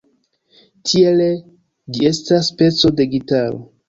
Tiele ĝi estas speco de gitaro.